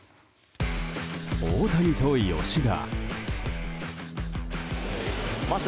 大谷と吉田。